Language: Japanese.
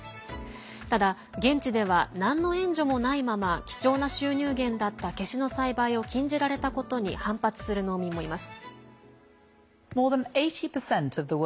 ただ、現地ではなんの援助もないまま貴重な収入源だったケシの栽培を禁じられたことに反発する農民もいます。